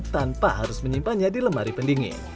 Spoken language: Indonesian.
tanpa harus menyimpannya di lemari pendingin